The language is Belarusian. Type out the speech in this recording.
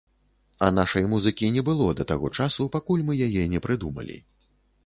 А нашай музыкі не было да таго часу, пакуль мы яе не прыдумалі.